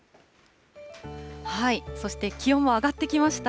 そして、気温は上がってきました。